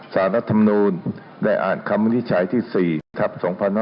สารรัฐนุนได้อ่านคำวินิจฉัยที่๔ทัพ๒๖๖๓